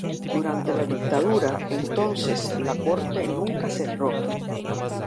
Durante la dictadura, entonces, la Corte nunca cerró.